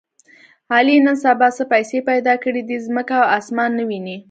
علي نن سبا څه پیسې پیدا کړې دي، ځمکه او اسمان نه ویني.